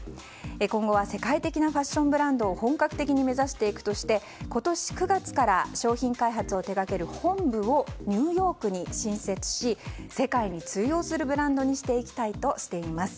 今後は世界的なファッションブランドを本格的に目指していくとして今年９月から商品開発を手掛ける本部をニューヨークに新設し、世界に通用するブランドにしていきたいとしています。